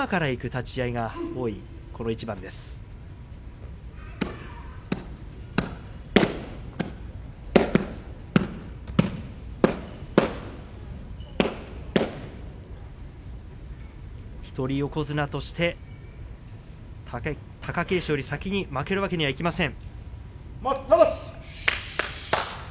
一人横綱として貴景勝より先に負けるわけにはいきません。